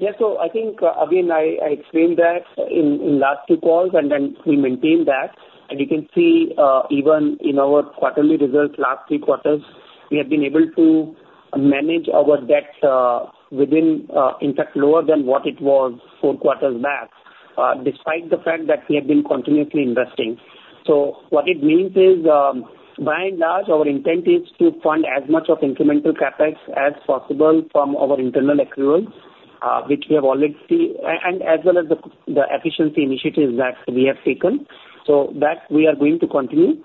Yeah. So I think, again, I explained that in last two calls, and then we maintained that. And you can see even in our quarterly results, last three quarters, we have been able to manage our debt within, in fact, lower than what it was four quarters back, despite the fact that we have been continuously investing. So what it means is, by and large, our intent is to fund as much of incremental CapEx as possible from our internal accruals, which we have already seen, and as well as the efficiency initiatives that we have taken. So that we are going to continue.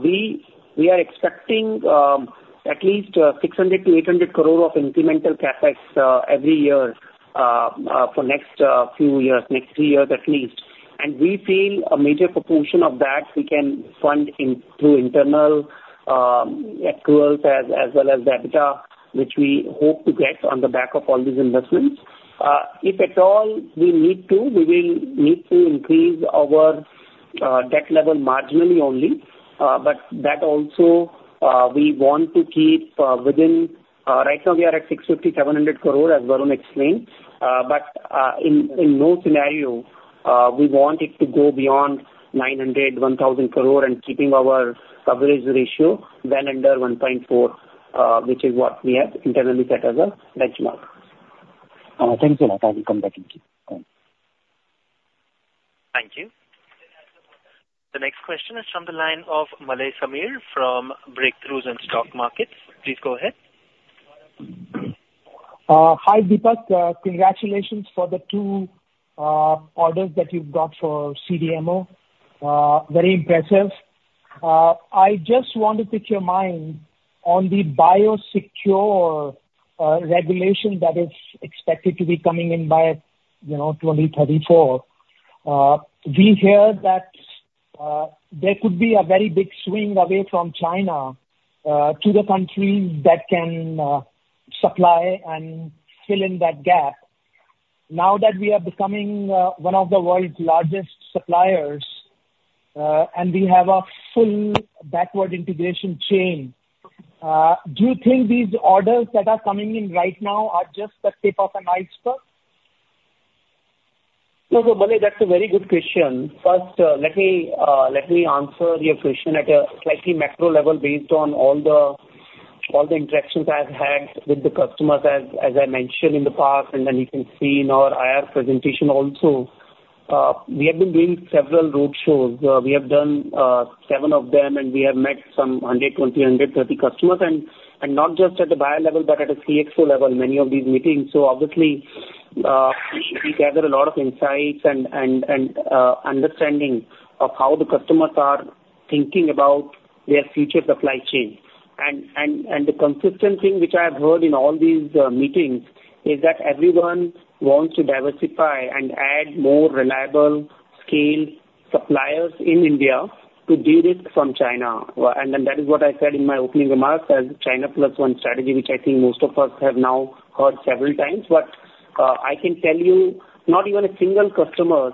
We are expecting at least 600 crore-800 crore of incremental CapEx every year for next few years, next three years at least. And we feel a major proportion of that we can fund through internal accruals as well as EBITDA, which we hope to get on the back of all these investments. If at all we need to, we will need to increase our debt level marginally only. But that also, we want to keep within. Right now, we are at 650-700 crore, as Varun explained. But in no scenario, we want it to go beyond 900-1,000 crore and keeping our coverage ratio well under 1.4, which is what we have internally set as a benchmark. Thanks, Jolata. We'll come back in. Thank you. The next question is from the line of Malay Sameer from Breakthroughs in Stock Market. Please go ahead. Hi, Deepak. Congratulations for the two orders that you've got for CDMO. Very impressive. I just want to pick your mind on the Biosecure Act that is expected to be coming in by 2034. We hear that there could be a very big swing away from China to the country that can supply and fill in that gap. Now that we are becoming one of the world's largest suppliers and we have a full backward integration chain, do you think these orders that are coming in right now are just the tip of an iceberg? Yeah, so Malay, that's a very good question. First, let me answer your question at a slightly macro level based on all the interactions I've had with the customers, as I mentioned in the past. And then you can see in our IR presentation also, we have been doing several roadshows. We have done seven of them, and we have met some 120 customers-130 customers. And not just at the buyer level, but at a CXO level, many of these meetings. So obviously, we gather a lot of insights and understanding of how the customers are thinking about their future supply chain. And the consistent thing which I have heard in all these meetings is that everyone wants to diversify and add more reliable scale suppliers in India to de-risk from China. And then that is what I said in my opening remarks, as China Plus One strategy, which I think most of us have now heard several times. But I can tell you, not even a single customer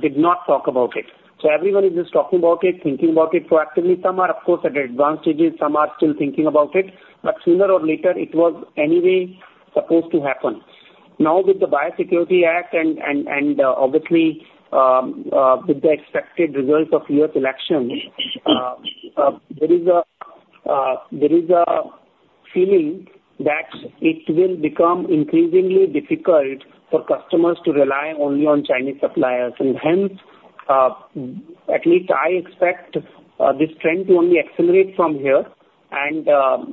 did not talk about it. So everyone is just talking about it, thinking about it proactively. Some are, of course, at the advantages. Some are still thinking about it. But sooner or later, it was anyway supposed to happen. Now, with the Biosecure Act and obviously with the expected results of U.S. elections, there is a feeling that it will become increasingly difficult for customers to rely only on Chinese suppliers. And hence, at least I expect this trend to only accelerate from here and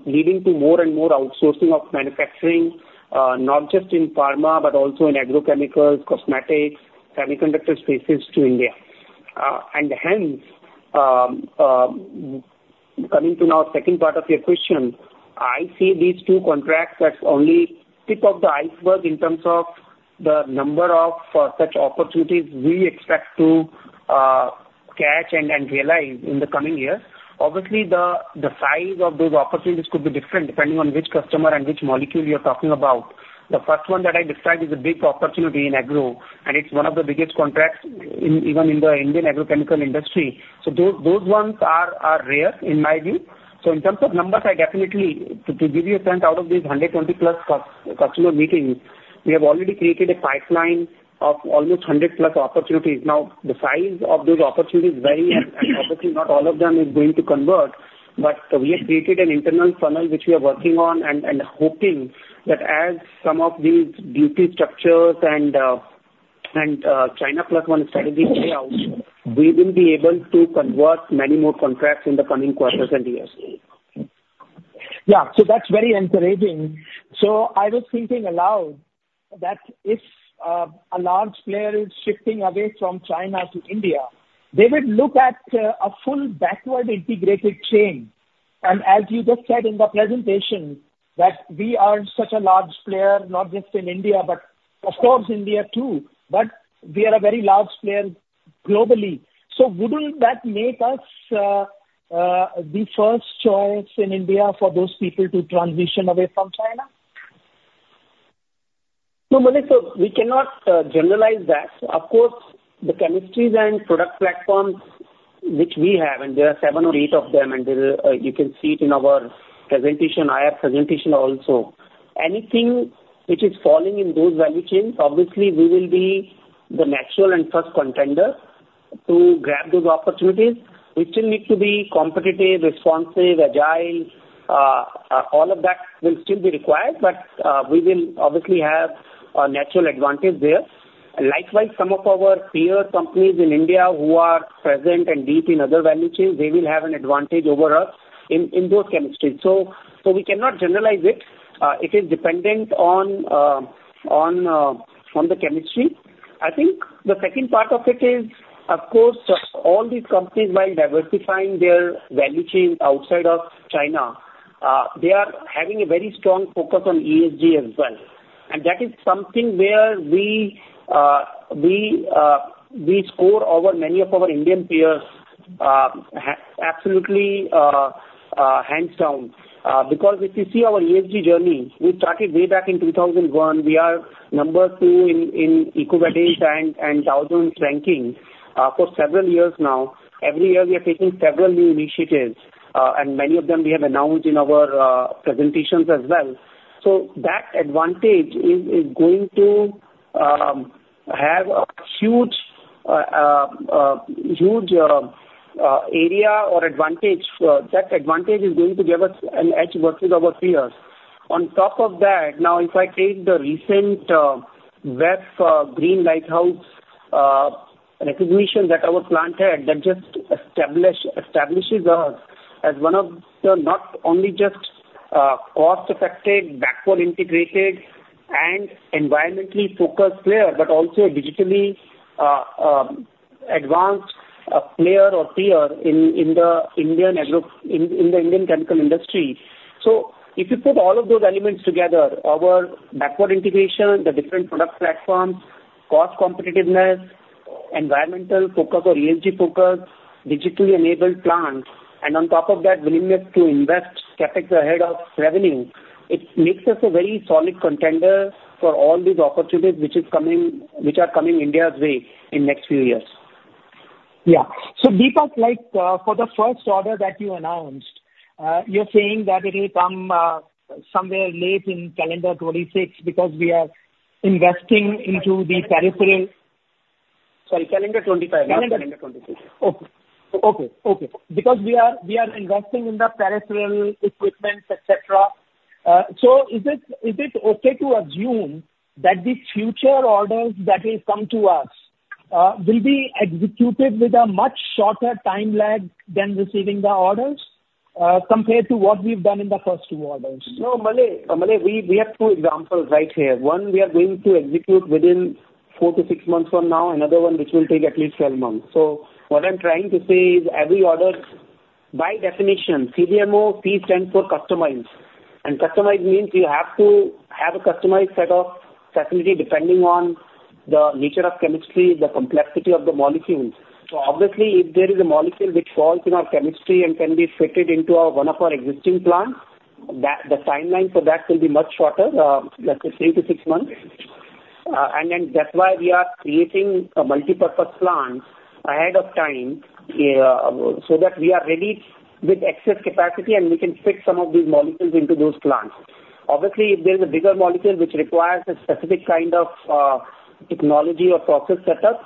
leading to more and more outsourcing of manufacturing, not just in pharma, but also in agrochemicals, cosmetics, semiconductor spaces to India. And hence, coming to now second part of your question, I see these two contracts as only tip of the iceberg in terms of the number of such opportunities we expect to catch and realize in the coming year. Obviously, the size of those opportunities could be different depending on which customer and which molecule you're talking about. The first one that I described is a big opportunity in agro, and it's one of the biggest contracts even in the Indian agrochemical industry. So those ones are rare, in my view. So in terms of numbers, I definitely, to give you a sense out of these 120+ customer meetings, we have already created a pipeline of almost 100+ opportunities. Now, the size of those opportunities vary, and obviously, not all of them are going to convert. But we have created an internal funnel which we are working on and hoping that as some of these duty structures and China Plus One strategy play out, we will be able to convert many more contracts in the coming quarters and years. Yeah, so that's very encouraging. So I was thinking aloud that if a large player is shifting away from China to India, they would look at a full backward integrated chain. And as you just said in the presentation, that we are such a large player, not just in India, but of course, India too, but we are a very large player globally. So wouldn't that make us the first choice in India for those people to transition away from China? No, Malay, so we cannot generalize that. Of course, the chemistries and product platforms which we have, and there are seven or eight of them, and you can see it in our IR presentation also. Anything which is falling in those value chains, obviously, we will be the natural and first contender to grab those opportunities. We still need to be competitive, responsive, agile. All of that will still be required, but we will obviously have a natural advantage there. Likewise, some of our peer companies in India who are present and deep in other value chains, they will have an advantage over us in those chemistries. So we cannot generalize it. It is dependent on the chemistry. I think the second part of it is, of course, all these companies while diversifying their value chain outside of China, they are having a very strong focus on ESG as well. And that is something where we score over many of our Indian peers absolutely hands down. Because if you see our ESG journey, we started way back in 2001. We are number two in EcoVadis and Dow Jones ranking for several years now. Every year, we are taking several new initiatives, and many of them we have announced in our presentations as well. So that advantage is going to have a huge area or advantage. That advantage is going to give us an edge versus our peers. On top of that, now, if I take the recent WEF Global Lighthouse recognition that our plant had, that just establishes us as one of the not only just cost-effective, backward integrated, and environmentally focused players, but also a digitally advanced player or peer in the Indian chemical industry. So if you put all of those elements together, our backward integration, the different product platforms, cost competitiveness, environmental focus or ESG focus, digitally enabled plant, and on top of that, willingness to invest CapEx ahead of revenue, it makes us a very solid contender for all these opportunities which are coming India's way in the next few years. Yeah. So Deepak, for the first order that you announced, you're saying that it will come somewhere late in calendar 2026 because we are investing into the peripheral, sorry, calendar 2025. Not calendar 2026. Calendar 2026. Okay. Okay. Because we are investing in the peripheral equipment, etc. So is it okay to assume that the future orders that will come to us will be executed with a much shorter time lag than receiving the orders compared to what we've done in the first two orders? No, Malay. Malay, we have two examples right here. One, we are going to execute within four to six months from now. Another one, which will take at least 12 months. So what I'm trying to say is every order, by definition, CDMO business makes sense for customization. And customization means we have to have a customized set of facilities depending on the nature of chemistry, the complexity of the molecule. So obviously, if there is a molecule which falls in our chemistry and can be fitted into one of our existing plants, the timeline for that will be much shorter, let's say three to 6 months. And then that's why we are creating a multipurpose plant ahead of time so that we are ready with excess capacity and we can fit some of these molecules into those plants. Obviously, if there is a bigger molecule which requires a specific kind of technology or process setup,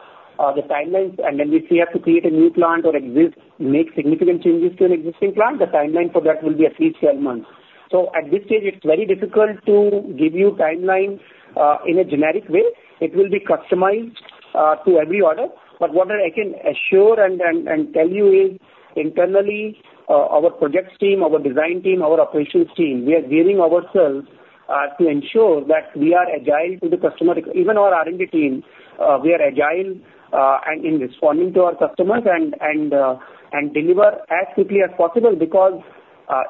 the timeline, and then we have to create a new plant or make significant changes to an existing plant, the timeline for that will be at least 12 months. So at this stage, it's very difficult to give you timeline in a generic way. It will be customized to every order. But what I can assure and tell you is, internally, our projects team, our design team, our operations team, we are gearing ourselves to ensure that we are agile to the customer. Even our R&D team, we are agile and in responding to our customers and deliver as quickly as possible because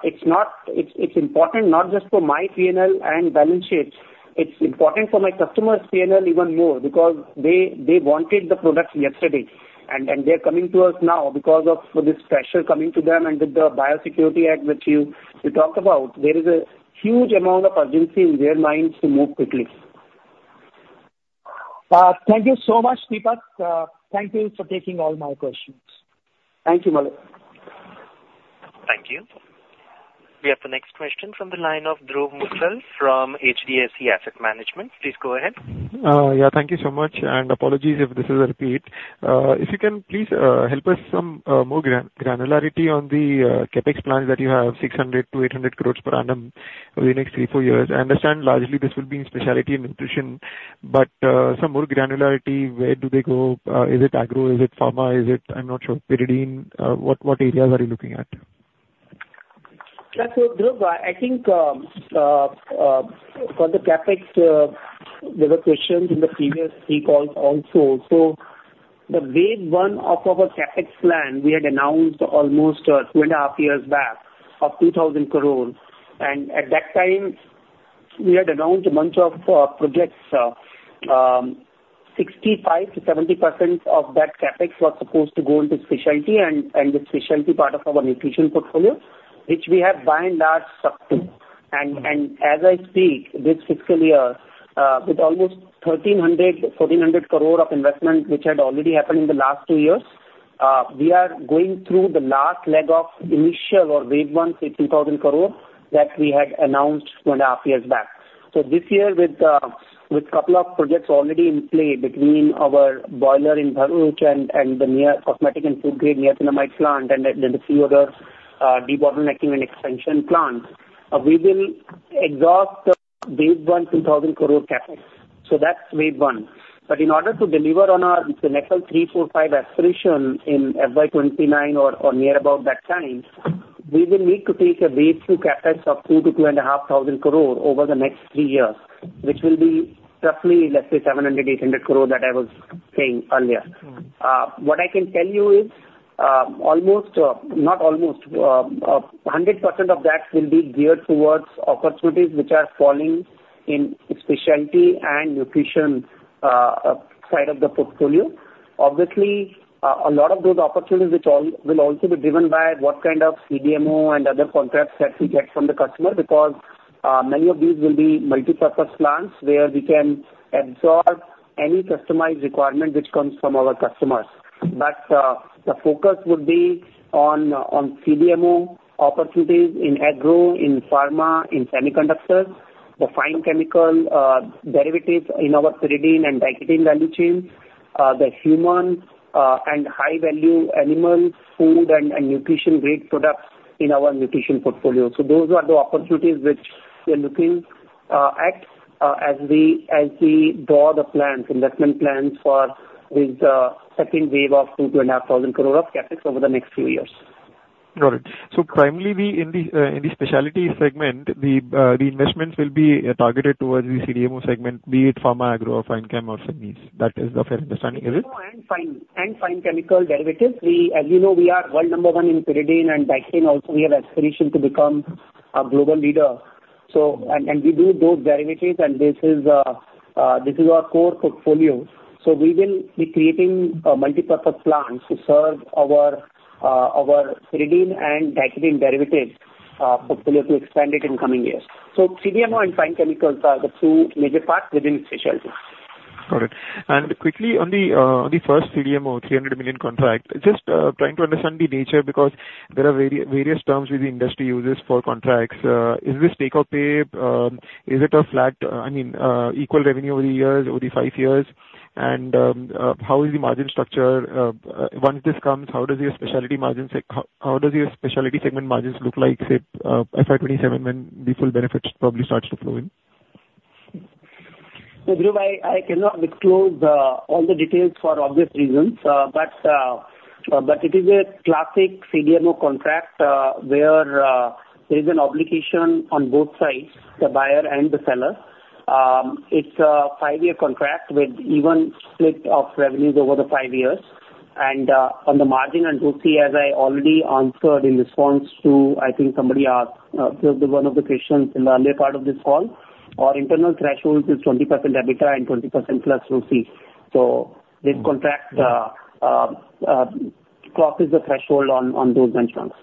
it's important not just for my P&L and balance sheet. It's important for my customers' P&L even more because they wanted the products yesterday, and they are coming to us now because of this pressure coming to them, and with the Biosecure Act that you talked about, there is a huge amount of urgency in their minds to move quickly. Thank you so much, Deepak. Thank you for taking all my questions. Thank you, Malay. Thank you. We have the next question from the line of Dhruv Munjal from HDFC Asset Management. Please go ahead. Yeah, thank you so much. And apologies if this is a repeat. If you can, please help us some more granularity on the CapEx plans that you have, 600-800 crores per annum over the next three, four years. I understand largely this will be in specialty and nutrition, but some more granularity, where do they go? Is it agro? Is it pharma? Is it, I'm not sure, pyridine? What areas are you looking at? Dhruv, I think for the CapEx, there were questions in the previous speakers also. The Wave One of our CapEx plan, we had announced almost two and a half years back of 2,000 crore. And at that time, we had announced a bunch of projects. 65%-70% of that CapEx was supposed to go into specialty and the specialty part of our nutrition portfolio, which we have by and large stuck to. And as I speak, this fiscal year, with almost 1,300 crore-1,400 crore of investment which had already happened in the last two years, we are going through the last leg of initial or Wave One for 2,000 crore that we had announced two and a half years back. This year, with a couple of projects already in play between our boiler in Bharuch and the near cosmetic and food-grade niacinamide plant and then a few other de-bottlenecking and expansion plants, we will exhaust the wave one, 2,000 crore CapEx. That's wave one. But in order to deliver on our financial three, four, five aspiration in FY 2029 or near about that time, we will need to take a wave two CapEx of 2,000-2,500 crore over the next three years, which will be roughly, let's say, 700-800 crore that I was saying earlier. What I can tell you is almost, not almost, 100% of that will be geared towards opportunities which are falling in specialty and nutrition side of the portfolio. Obviously, a lot of those opportunities will also be driven by what kind of CDMO and other contracts that we get from the customer because many of these will be multipurpose plants where we can absorb any customized requirement which comes from our customers. But the focus would be on CDMO opportunities in agro, in pharma, in semiconductors, the fine chemical derivatives in our pyridine and diketene value chain, the human and high-value animal food and nutrition-grade products in our nutrition portfolio. So those are the opportunities which we are looking at as we draw the investment plans for this second wave of 2,000 crore-2,500 crore of CapEx over the next few years. Got it. So primarily, in the specialty segment, the investments will be targeted towards the CDMO segment, be it pharma, agro, or fine chem or semis. That is the fair understanding, is it? Fine chemical derivatives. As you know, we are world number one in pyridine and diketene. Also, we have aspiration to become a global leader. We do those derivatives, and this is our core portfolio. We will be creating multipurpose plants to serve our pyridine and diketene derivatives portfolio to expand it in coming years. CDMO and fine chemicals are the two major parts within specialty. Got it. And quickly, on the first CDMO, 300 million contract, just trying to understand the nature because there are various terms which the industry uses for contracts. Is this take-or-pay? Is it a flat, I mean, equal revenue over the years, over the five years? And how is the margin structure? Once this comes, how does your specialty margins look like, say, FY 2027 when the full benefits probably start to flow in? Dhruv, I cannot disclose all the details for obvious reasons. But it is a classic CDMO contract where there is an obligation on both sides, the buyer and the seller. It's a five-year contract with even split of revenues over the five years. And on the margin and ROCE, as I already answered in response to, I think, somebody asked, one of the questions in the earlier part of this call, our internal threshold is 20% EBITDA and 20%+ ROCE. So this contract crosses the threshold on those benchmarks.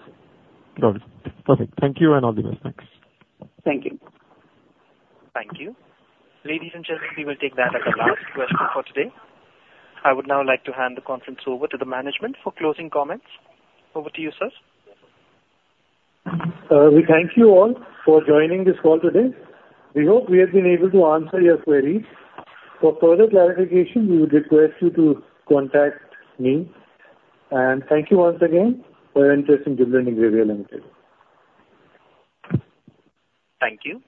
Got it. Perfect. Thank you, and all the best. Thanks. Thank you. Thank you. Ladies and gentlemen, we will take that as a last question for today. I would now like to hand the conference over to the management for closing comments. Over to you, sir. Thank you all for joining this call today. We hope we have been able to answer your queries. For further clarification, we would request you to contact me. And thank you once again for your interest in Jubilant Ingrevia Limited. Thank you.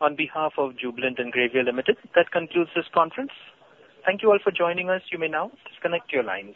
On behalf of Jubilant Ingrevia Limited, that concludes this conference. Thank you all for joining us. You may now disconnect your line.